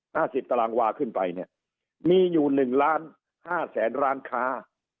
สิบตารางวาขึ้นไปเนี่ยมีอยู่หนึ่งล้านห้าแสนร้านค้า